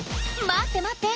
待って待って。